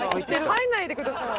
入んないでください。